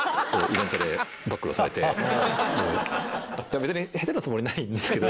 いや別に下手なつもりないんですけど。